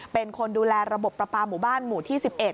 เป็นคนดูแลระบบประปาหมู่บ้านหมู่ที่๑๑